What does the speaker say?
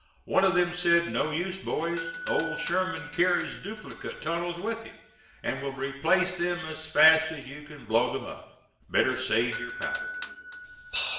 One of them said, "No use, boys, Old Sherman carries duplicate tunnels with him, and will replace them as fast as you can blow them up; better save your powder."